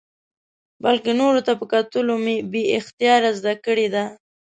بلکې نورو ته په کتلو مو بې اختیاره زده کړې ده.